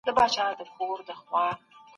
د سړي سر ګټه کله ناکله په ټیټه کچه کي پاته کیږي.